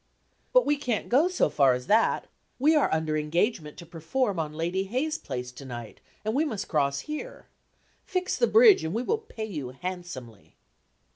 "But we can't go so far as that; we are under engagement to perform on Lady Hayes's place to night and we must cross here. Fix the bridge and we will pay you handsomely."